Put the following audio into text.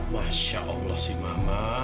masya allah sih mama